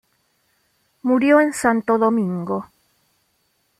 Murió en Santo Domingo.